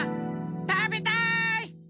たべたい！